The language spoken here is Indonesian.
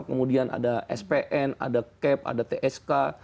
kemudian ada spn ada cap ada tsk